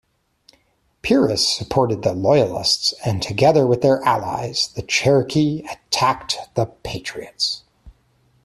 Pearis supported the Loyalists and together with their allies the Cherokee attacked the Patriots.